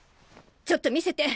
ちょっと見せて。